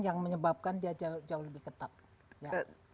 yang menyebabkan dia jauh lebih ketat